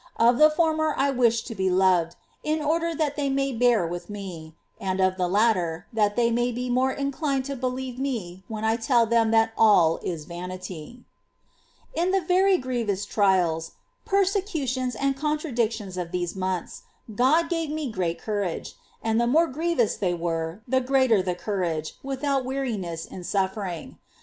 Of the former I wish to be loved, in order that they may bear with me ; and of the latter, that they may be more inclined to believe me when I tell them that all is vanity. 9. In the very grievous trials, persecutions, and contradic ' See Life, ch. xxxi. § 15. REL. II.] OF HER SPIRITUAL STATE. 389 tions of these months/ God gave me great courage; and the more grievous they were, the greater the courage, without weari ness in suffering.